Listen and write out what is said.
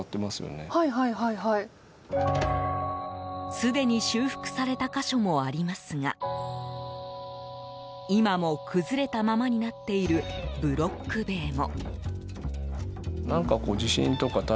すでに修復された箇所もありますが今も崩れたままになっているブロック塀も。